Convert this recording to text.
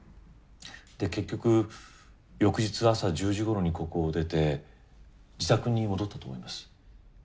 で結局翌日朝１０時ごろにここを出て自宅に戻ったと思います。